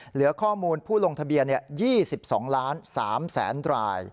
เหลือข้อมูลผู้ลงทะเบียนเนี่ย๒๒๓๐๐๐๐๐ดร